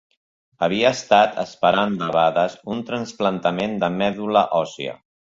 Havia estat esperant debades un trasplantament de medul·la òssia.